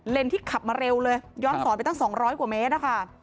ที่ขับมาเร็วเลยย้อนสอนไปตั้ง๒๐๐กว่าเมตรนะคะ